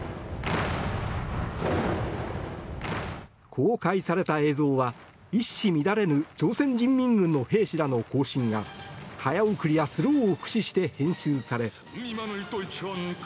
公開された映像は一糸乱れぬ朝鮮人民軍の兵士らの行進や早送りやスローを駆使して編集され。